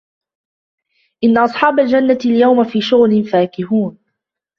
إِنَّ أَصْحَابَ الْجَنَّةِ الْيَوْمَ فِي شُغُلٍ فَاكِهُونَ